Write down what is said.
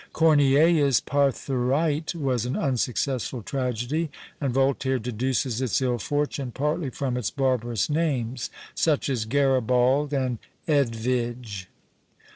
Corneille's Pertharite was an unsuccessful tragedy, and Voltaire deduces its ill fortune partly from its barbarous names, such as Garibald and Edvidge.